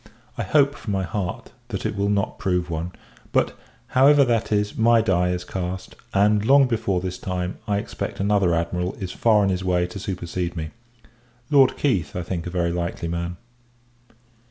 I hope, from my heart, that it will not prove one. But, however that is, my die is cast; and, long before this time, I expect, another Admiral is far on his way to supersede me. Lord Keith, I think a very likely man.